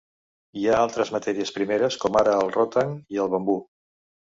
Hi ha altres matèries primeres, com ara el rotang i el bambú.